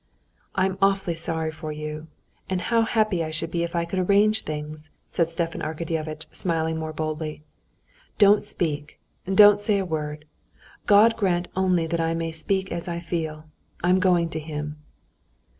"I'm awfully sorry for you! And how happy I should be if I could arrange things!" said Stepan Arkadyevitch, smiling more boldly. "Don't speak, don't say a word! God grant only that I may speak as I feel. I'm going to him."